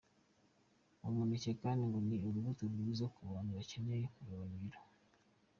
Umuneke kandi ngo ni urubuto rwiza ku bantu bakeneye kugabanya ibiro.